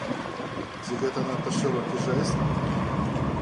Ці гэта надта шырокі жэст?